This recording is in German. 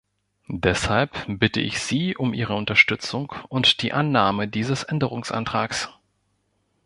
Deshalb bitte ich Sie um Ihre Unterstützung und die Annahme dieses Änderungsantrags.